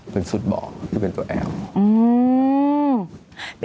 เป็นฟุตบอลที่เป็นตัวแอม